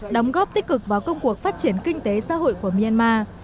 đóng góp tích cực vào công cuộc phát triển kinh tế xã hội của myanmar